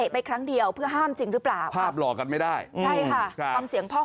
ภาพหลอกกันไม่ได้